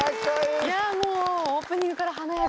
いやもうオープニングから華やか。